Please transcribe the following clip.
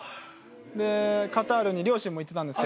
でカタールに両親も行ってたんですけど。